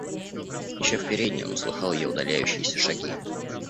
Еще в передней он услыхал ее удаляющиеся шаги.